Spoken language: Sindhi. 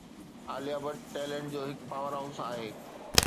عاليا ڀٽ ٽيلنٽ جو هڪ پاور هائوس آهي